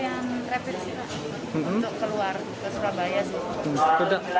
antrean rapi tes untuk keluar ke surabaya